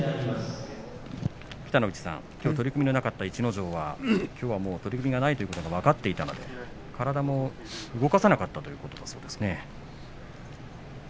北の富士さん取組がなかった逸ノ城はきょうは取組がないということが分かっていたので体も動かさなかったということですね。